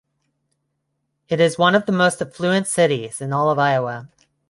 It is one of the most affluent cities in all of Iowa.